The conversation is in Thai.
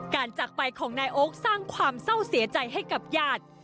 จากไปของนายโอ๊คสร้างความเศร้าเสียใจให้กับญาติ